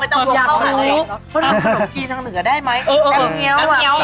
เพราะทำขนมจีนทางเหนือได้ไหมน้ำเงี๊ยวอ่ะ